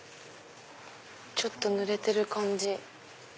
ちょっとぬれてる感じ。